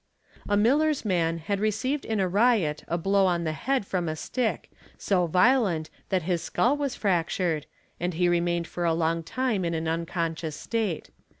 . A miller's man had received in a riot a blow on the head from a stick, so violent that his skull was fractured and he remained for a long' time in an unconscious state.